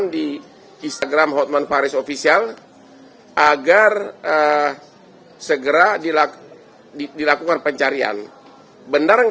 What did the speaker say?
sembilan ratus sebelas di instagram hotman paris official agar segera dilakukan dilakukan pencarian benar